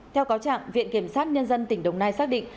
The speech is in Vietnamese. theo cáo trạng viện kiểm sát nhân dân tỉnh đồng nai xác định